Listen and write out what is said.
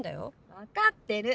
分かってる。